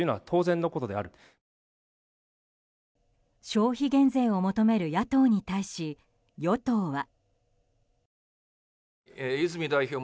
消費減税を求める野党に対し与党は。